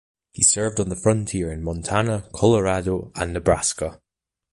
He served on the frontier in Montana, Colorado and Nebraska.